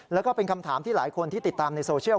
แล้วก็เป็นคำถามที่หลายคนที่ติดตามในโซเชียล